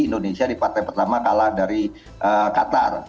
indonesia di partai pertama kalah dari qatar